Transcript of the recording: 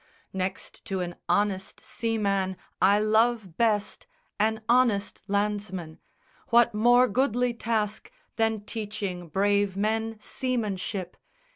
Next to an honest seaman I love best An honest landsman. What more goodly task Than teaching brave men seamanship?"